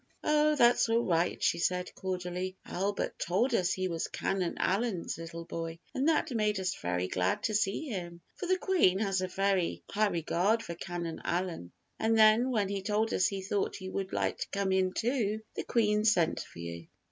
"Oh, that's all right," she said cordially; "Albert told us he was Canon Allyn's little boy, and that made us very glad to see him, for the Queen has a very high regard for Canon Allyn; and then when he told us he thought you would like to come in too, the Queen sent for you."